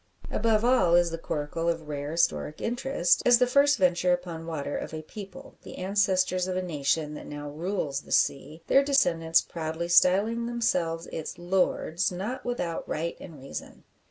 Above all, is the coracle of rare historic interest as the first venture upon water of a people the ancestors of a nation that now rules the sea their descendants proudly styling themselves its "Lords" not without right and reason.